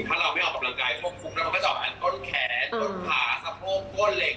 ถ้าเราไม่ออกกำลังกายควบคุมแล้วมันก็จะออกอันก้นแขนต้นขาสะโพกก้นเหล็ก